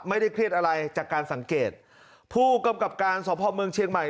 ไม่ได้เครียดอะไรจากการสังเกตผู้กำกับการสพเมืองเชียงใหม่